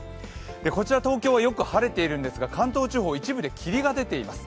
こちら東京はよく晴れているんですが関東地方、一部で霧が出ています。